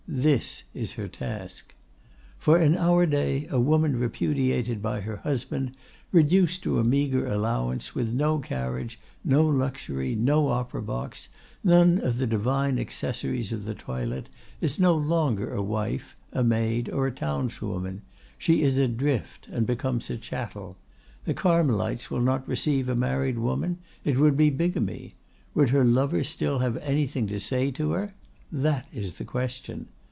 This is her task. "For in our day a woman repudiated by her husband, reduced to a meagre allowance, with no carriage, no luxury, no opera box, none of the divine accessories of the toilet, is no longer a wife, a maid, or a townswoman; she is adrift, and becomes a chattel. The Carmelites will not receive a married woman; it would be bigamy. Would her lover still have anything to say to her? That is the question.